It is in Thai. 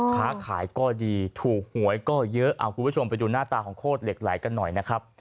ค้าขายก็ดีถูกหวยก็เยอะเอาคุณผู้ชมไปดูหน้าตาของโคตรเหล็กไหลกันหน่อยนะครับ